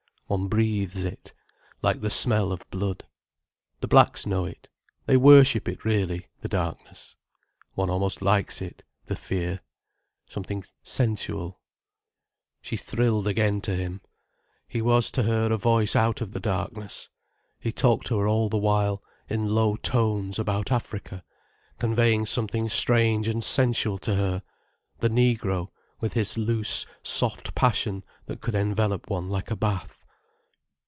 One breathes it, like the smell of blood. The blacks know it. They worship it, really, the darkness. One almost likes it—the fear—something sensual." She thrilled again to him. He was to her a voice out of the darkness. He talked to her all the while, in low tones, about Africa, conveying something strange and sensual to her: the negro, with his loose, soft passion that could envelop one like a bath.